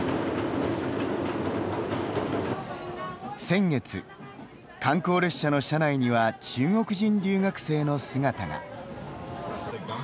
先月、観光列車の車内には中国人留学生の姿が。